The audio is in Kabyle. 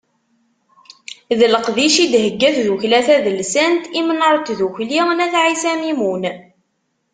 D leqdic i d-thegga tddukkla tadelsant Imnar n Tdukli n At Ɛissa Mimun